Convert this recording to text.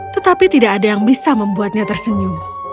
tetapi tidak ada yang bisa membuatnya tersenyum